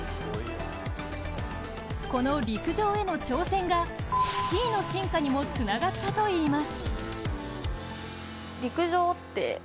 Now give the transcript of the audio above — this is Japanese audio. この陸上への挑戦がスキーの進化にもつながったといいます。